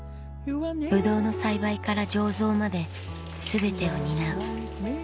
ぶどうの栽培から醸造まで全てを担う